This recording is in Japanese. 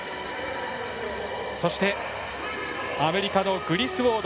そして、アメリカのグリスウォード。